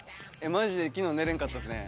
マジで昨日寝れんかったっすね。